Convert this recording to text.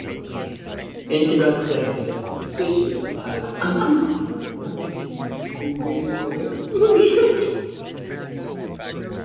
"Enteroctopus" species have distinct longitudinal wrinkles or folds dorsally and laterally on the body.